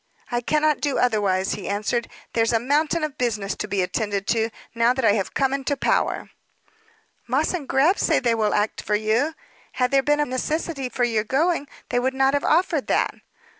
"I cannot do otherwise," he answered. "There's a mountain of business to be attended to, now that I am come into power." "Moss & Grab say they will act for you. Had there been a necessity for your going, they would not have offered that."